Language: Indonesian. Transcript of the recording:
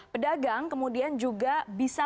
pedagang kemudian juga bisa